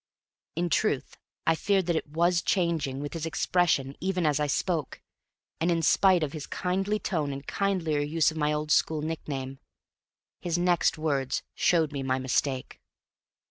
In truth I feared that it was changing, with his expression, even as I spoke, and in spite of his kindly tone and kindlier use of my old school nickname. His next words showed me my mistake.